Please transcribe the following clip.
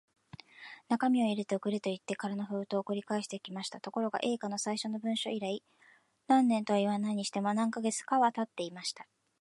中身を入れて送れ、といって空の封筒を送り返してきました。ところが、Ａ 課の最初の文書以来、何年とはいわないにしても、何カ月かはたっていました。